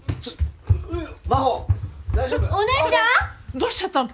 どうしちゃったの？